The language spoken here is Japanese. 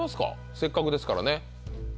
せっかくですからね。